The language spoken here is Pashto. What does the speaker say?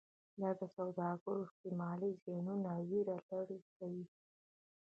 دا د سوداګرو احتمالي زیانونو ویره لرې کوي.